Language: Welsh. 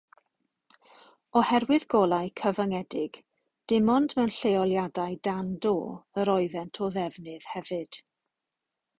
Oherwydd golau cyfyngedig dim ond mewn lleoliadau dan do yr oeddent o ddefnydd hefyd.